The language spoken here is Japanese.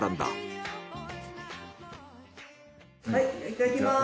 はいいただきます。